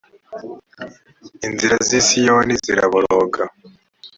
inzira z i siyoni ziraboroga